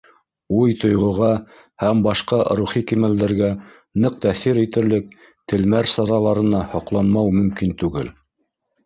Уй, тойғоға һәм башҡа рухи кимәлдәргә ныҡ тәьҫир итерлек телмәр сараларына һоҡланмау мөмкин түгел.